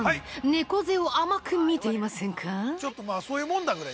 猫背を甘く見ていませんか？